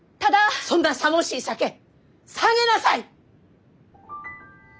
そんなさもしい酒下げなさい！